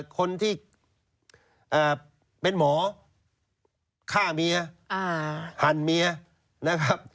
คนที่เป็นหมอฆ่าเมียหั่นเมียนะครับ